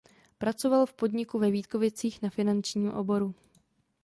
Pracoval v podniku ve Vítkovicích na finanční odboru.